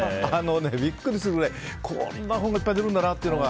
ビックリするくらいこんな本がいっぱい出るんだなというのが。